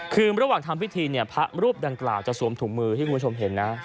คือระหว่างทำพิธีเนี่ยพระรูปดังกล่าวจะสวมถุงมือที่คุณผู้ชมเห็นนะ